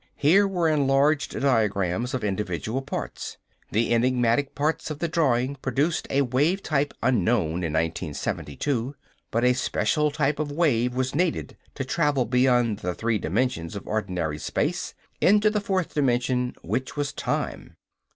Here were enlarged diagrams of individual parts. The enigmatic parts of the drawing produced a wave type unknown in 1972. But a special type of wave was needed to travel beyond the three dimensions of ordinary space, into the fourth dimension which was time.